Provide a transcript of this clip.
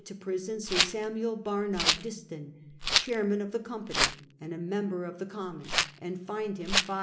to prison Sir Samuel Barnardiston, chairman of the com pany and a member of the Commons, and fined him 500